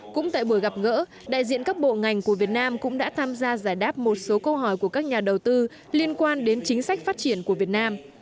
cũng tại buổi gặp gỡ đại diện các bộ ngành của việt nam cũng đã tham gia giải đáp một số câu hỏi của các nhà đầu tư liên quan đến chính sách phát triển của việt nam